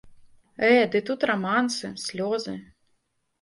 Э, ды тут рамансы, слёзы.